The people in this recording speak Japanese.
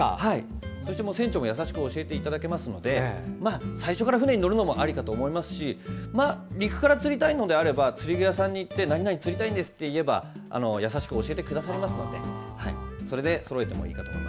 船長に優しく教えていただけますので船に乗るのもありだと思いますし陸から釣りたいのであれば釣り具さんに行って何々釣りたいんですといえば優しく教えてくださいますのでそれでそろえてください。